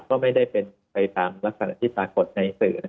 ก็ไม่ได้เป็นไปตามลักษณะที่ปรากฏในสื่อ